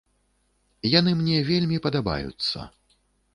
Яны мне вельмі падабаюцца.